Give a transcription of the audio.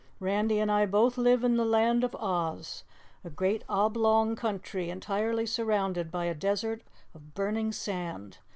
"Randy and I both live in the Land of Oz, a great oblong country entirely surrounded by a desert of burning sand.